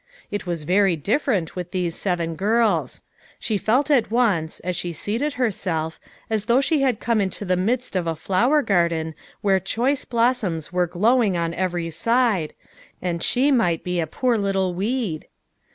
It was very different with these seven girls. She felt at once, as she seated herself, as though she had come into the midst of a flower garden where choice blossoms were glowing on every side, and she might be a poor little weed.